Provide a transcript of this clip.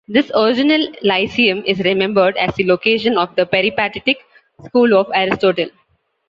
This original Lyceum is remembered as the location of the peripatetic school of Aristotle.